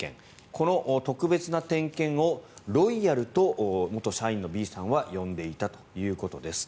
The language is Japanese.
この特別な点検をロイヤルと元社員のＢさんは呼んでいたということです。